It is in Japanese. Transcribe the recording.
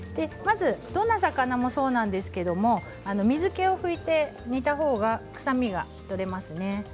どんな魚もそうなんですけれど水けを拭いて煮たほうが臭みが取れますね。